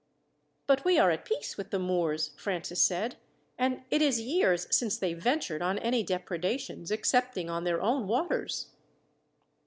"But we are at peace with the Moors," Francis said, "and it is years since they ventured on any depredations, excepting on their own waters."